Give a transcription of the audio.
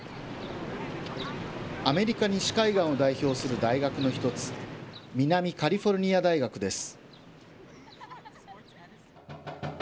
アメリカ西海岸を代表する大学の一つ、南カリフォルニア大学です。